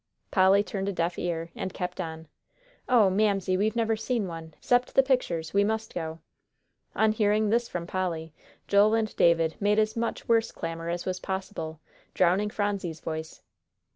Polly turned a deaf ear, and kept on, "Oh, Mamsie, we've never seen one, 'cept the pictures. We must go!" On hearing this from Polly, Joel and David made as much worse clamor as was possible, drowning Phronsie's voice.